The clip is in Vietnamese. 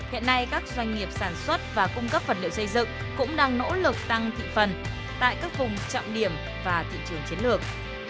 hiện nay các doanh nghiệp sản xuất và cung cấp vật liệu xây dựng cũng đang nỗ lực tăng thị phần tại các vùng trọng điểm và thị trường chiến lược